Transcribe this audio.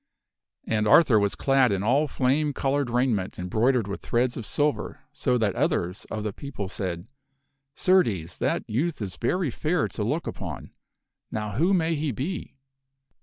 And Arthur was clad all in flame colored raiment embroidered with threads of silver, so that others of the people said, " Certes, that youth is very fair for to look upon; now who may he be